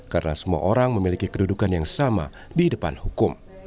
karena semua orang memiliki kedudukan yang sama di depan hukum